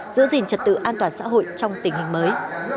giữ gìn trật tự an toàn xã hội trong tình hình mới